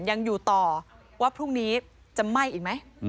ยังอยู่ต่อว่าพรุ่งนี้จะไหม้อีกไหม